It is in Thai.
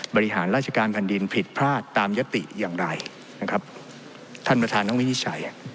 บริหารราชการแผ่นดินผิดพลาดตามยติอย่างไรนะครับท่านประธานต้องวินิจฉัย